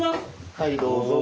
はいどうぞ。